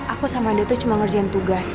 aku sama dia tuh cuma ngerjain tugas